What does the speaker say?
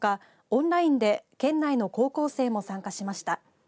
オンラインで県内の高校生も参加しました。